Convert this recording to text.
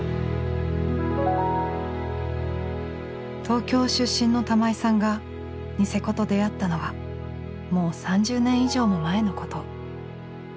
東京出身の玉井さんがニセコと出会ったのはもう３０年以上も前のこと。